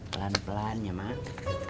pelan pelan ya mak